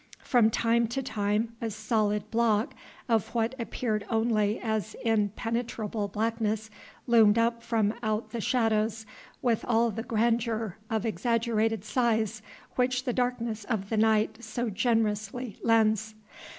From time to time a solid block of what appeared only as impenetrable blackness loomed up from out the shadows, with all the grandeur of exaggerated size which the darkness of the night so generously lends.